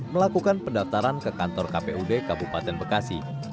melakukan pendaftaran ke kantor kpud kabupaten bekasi